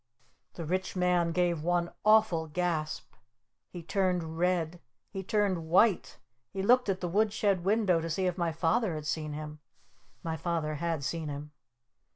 The Rich Man gave one awful gasp! He turned red! He turned white! He looked at the wood shed window to see if my Father had seen him. My Father had seen him!